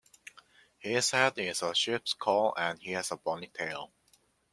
His head is a sheep skull and he has a bony tail.